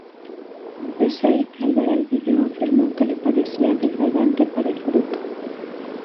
Morrissey al ver el video afirmó que le parecía degradante para el grupo".